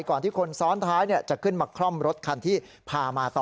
ก่อนที่คนซ้อนท้ายจะขึ้นมาคล่อมรถคันที่พามาต่อ